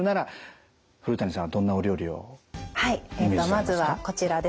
まずはこちらですね。